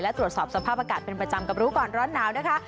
และตรวจสอบสภาพอากาศเป็นประจำกับรู้ก่อนร้อนหนาวนะคะ